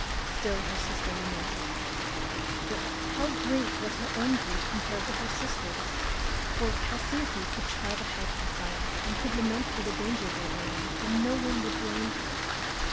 Still her sister lamented. But how great was her own grief compared to her sister's! For Chalciope could try to help her sons and could lament for the danger they were in and no one would blame her.